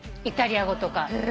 イタリア語とか。